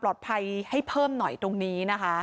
พอครูผู้ชายออกมาช่วยพอครูผู้ชายออกมาช่วย